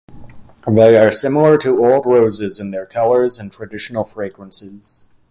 They are similar to old roses in their colors and traditional fragrances.